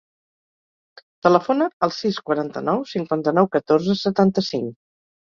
Telefona al sis, quaranta-nou, cinquanta-nou, catorze, setanta-cinc.